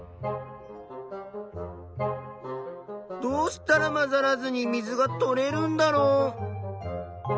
どうしたらまざらずに水がとれるんだろう？